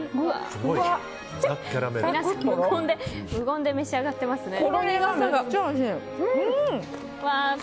皆さん無言で召し上がっていますね。